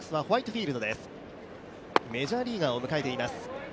メジャーリーガーを迎えています。